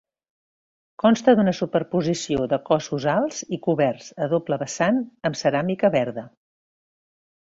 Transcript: Consta d'una superposició de cossos alts i coberts a doble vessant amb ceràmica verda.